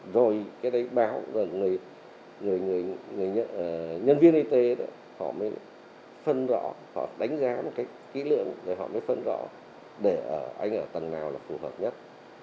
rồi cái đấy báo rồi nhân viên y tế họ mới phân rõ họ đánh giá một cái kỹ lượng rồi họ mới phân rõ để anh ở tầng nào là phù hợp nhất